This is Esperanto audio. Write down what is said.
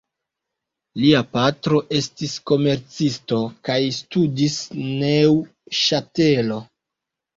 Lia patro estis komercisto, kaj studis en Neŭŝatelo.